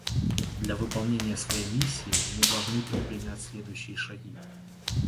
Для выполнения своей миссии мы должны предпринять следующие шаги.